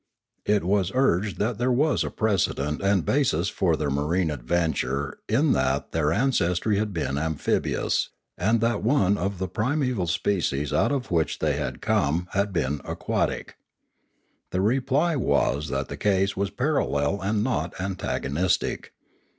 It was urged that there was precedent and basis for their marine adventure in that their an cestry had been amphibious, and that one of the prim eval species out of which they had come had been aquatic. The reply was that the case was parallel and not antagonistic.